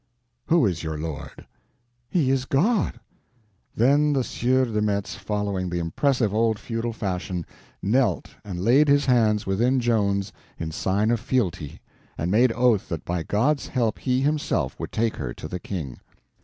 "Who is your Lord?" "He is God." Then the Sieur de Metz, following the impressive old feudal fashion, knelt and laid his hands within Joan's in sign of fealty, and made oath that by God's help he himself would take her to the king.